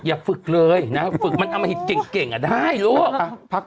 ฝึกเลยนะฝึกมันอมหิตเก่งอ่ะได้ลูก